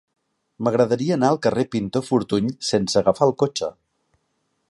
M'agradaria anar al carrer del Pintor Fortuny sense agafar el cotxe.